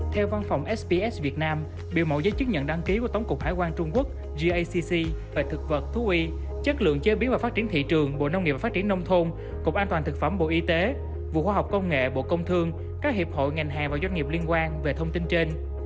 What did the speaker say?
theo văn phòng sps việt nam biểu mẫu giấy chứng nhận đăng ký của tổng cục hải quan trung quốc gacc và thực vật thú y chất lượng chế biến và phát triển thị trường bộ nông nghiệp và phát triển nông thôn cục an toàn thực phẩm bộ y tế vụ khoa học công nghệ bộ công thương các hiệp hội ngành hàng và doanh nghiệp liên quan về thông tin trên